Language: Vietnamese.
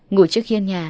ngủ trước khiên nhà